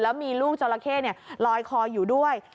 แล้วมีลูกจราเข้ลอยคออยู่ด้วย